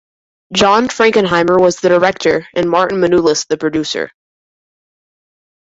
John Frankenheimer was the director and Martin Manulis the producer.